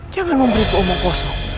jangan membentuk omong kosong